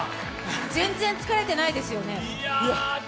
全然疲れてないですよね。